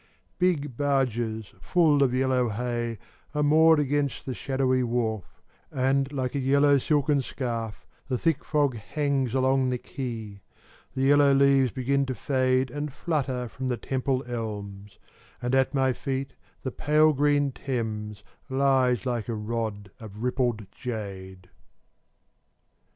Big barges full of yellow hay Are moored against the shadowy wharf, And, like a yellow silken scarf, The thick fog hangs along the quay. The yellow leaves begin to fade And flutter from the Temple elms, And at my feet the pale green Thames Lies like a rod of rippled jade.